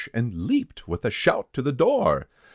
And leaped with a shout to the door.